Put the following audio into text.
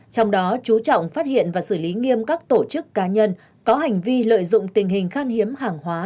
trong đó chú trọng phát hiện và xử lý nghiêm các tổ chức cá nhân có hành vi lợi dụng tình hình khan hiếm hàng hóa